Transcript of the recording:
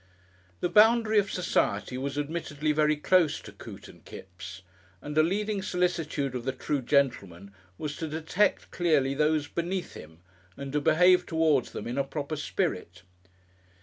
The boundary of Society was admittedly very close to Coote and Kipps, and a leading solicitude of the true gentleman was to detect clearly those "beneath" him, and to behave towards them in a proper spirit.